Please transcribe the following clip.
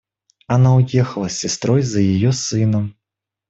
Она уехала с сестрой за ее сыном.